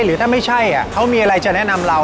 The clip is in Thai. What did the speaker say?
หรือถ้าไม่ใช่เขามีอะไรจะแนะนำเรา